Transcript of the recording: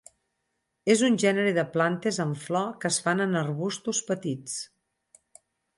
És un gènere de plantes amb flor que es fan en arbustos petits.